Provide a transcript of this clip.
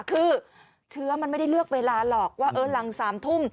คือเชื้อมันไม่ได้เลือกเวลาหรอกว่าหลัง๓ทุ่ม